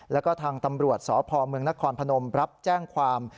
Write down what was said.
แล้วก็ทางตำรวจสพเมืองนครพนมรับแจ้งความ